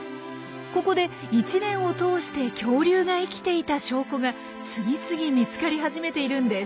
ここで１年を通して恐竜が生きていた証拠が次々見つかり始めているんです。